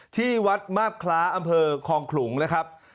ที่วัดมาบคล้าอำเภอคลองขลุงนะครับ